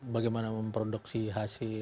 bagaimana memproduksi hasil